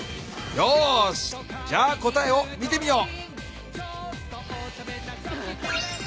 よーしじゃあ答えを見てみよう。